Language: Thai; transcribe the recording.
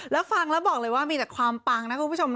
แล้วฟังแล้วบอกเลยว่ามีแต่ความปังนะคุณผู้ชมนะ